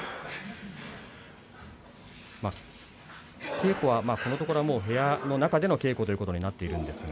稽古は、このところ部屋の中での稽古ということになっています。